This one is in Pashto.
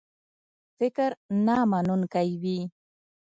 فکر نامنونکی وي.